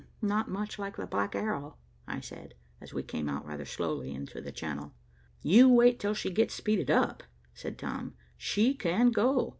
"Not much like the Black Arrow," I said, as we came out rather slowly into the Channel. "You wait till she gets speeded up," said Tom. "She can go.